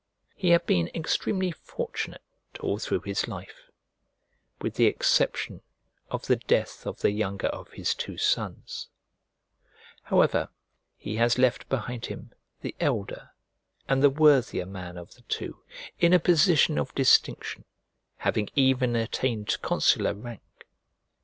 He had been extremely fortunate all through his life with the exception of the death of the younger of his two sons; however, he has left behind him the elder and the worthier man of the two in a position of distinction, having even attained consular rank.